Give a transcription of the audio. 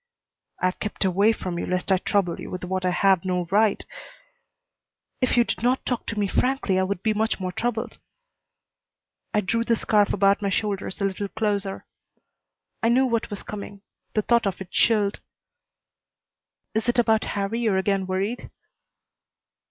"I've kept away from you lest I trouble you with what I have no right " "If you did not talk to me frankly I would be much more troubled." I drew the scarf about my shoulders a little closer. I knew what was coming. The thought of it chilled. "Is it about Harrie you are again worried?"